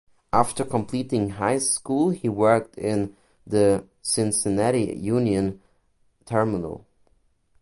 After completing high school he worked in the Cincinnati Union Terminal.